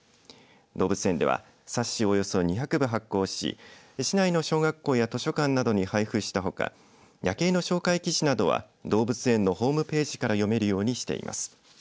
動物園では冊子およそ２００部発行し市内の小学校や図書館などに配布したほかヤケイの紹介記事などは動物園のホームページから読めるようにしています。